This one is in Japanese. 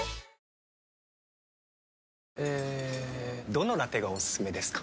どのラテがおすすめですか？